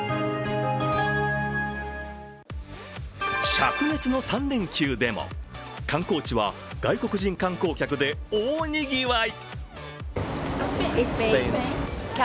しゃく熱の３連休でも、観光地は外国人観光客で大にぎわい。